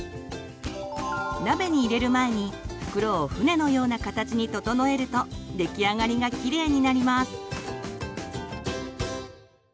鍋に入れる前に袋を船のような形に整えると出来上がりがキレイになります。